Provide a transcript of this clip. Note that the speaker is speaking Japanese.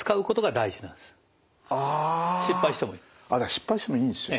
失敗してもいいんですよ。